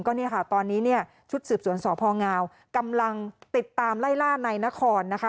ก็เนี่ยค่ะตอนนี้ชุดสืบศวนรพงาวกำลังติดตามใล่ลาในณคล